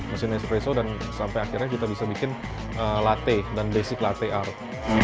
mesin espresso dan sampai akhirnya kita bisa bikin latte dan basic latte art